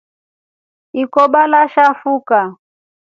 Ikobo iashafuka.